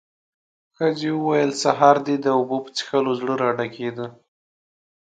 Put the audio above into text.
ښځې وويل: سهار دې د اوبو په څښلو زړه راډکېده.